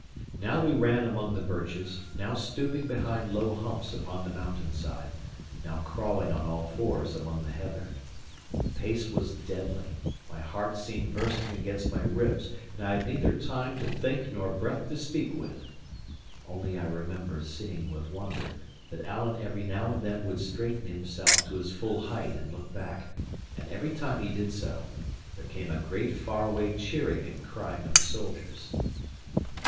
Now we ran among the birches; now stooping behind low humps upon the mountain side; now crawling on all fours among the heather. The pace was deadly: my heart seemed bursting against my ribs; and I had neither time to think nor breath to speak with. Only I remember seeing with wonder, that Alan every now and then would straighten himself to his full height and look back; and every time he did so, there came a great far away cheering and crying of the soldiers.